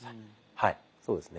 はいそうですね。